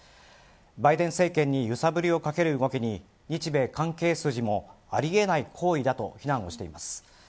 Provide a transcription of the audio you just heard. バイデン政権に揺さぶりをかける動きに日米関係筋もあり得ない行為だと非難をしています。